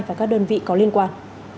và các đơn vị có liên quan